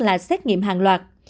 là xét nghiệm hàng loạt